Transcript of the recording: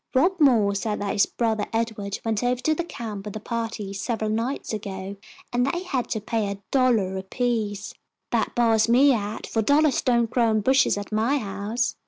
"Rob Moore said that his brother Edward went over to the camp with a party, several nights ago, and they had to pay a dollar apiece. That bars me out, for dollars don't grow on bushes at my house.